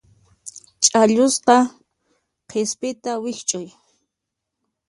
Chhallusqa qispita wikch'uy.